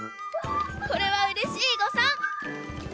これはうれしいごさん！